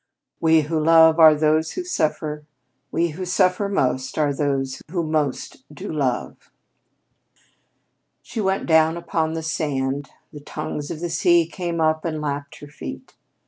"We who love are those who suffer; We who suffer most are those who most do love." She went down upon the sands. The tongues of the sea came up and lapped her feet.